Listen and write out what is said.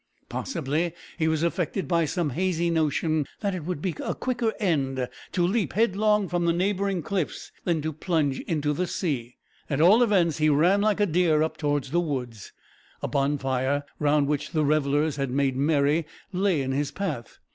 Possibly he was affected by some hazy notion that it would be a quicker end to leap headlong from the neighbouring cliffs than to plunge into the sea. At all events, he ran like a deer up towards the woods. A bonfire, round which the revellers had made merry, lay in his path.